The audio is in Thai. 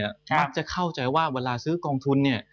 มักจะเข้าใจว่าเวลาซื้อกองทุนเนี่ย